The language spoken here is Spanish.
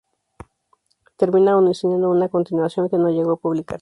Termina anunciando una continuación, que no llegó a publicarse.